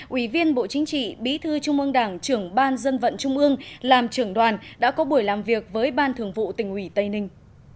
ủy viên bộ chính trị bí thư trung ương đảng trưởng ban dân vận trung ương làm trưởng đoàn đã có buổi làm việc với ban thường vụ tỉnh ủy tây ninh